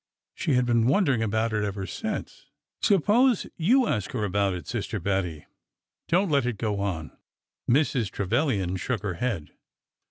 She had been wondering about it ever since. Suppose you ask her about it, Sister Bettie. Don't let it go on." Mrs. Trevilian shook her head.